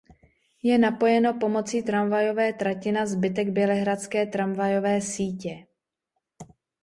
Je napojeno pomocí tramvajové trati na zbytek bělehradské tramvajové sítě.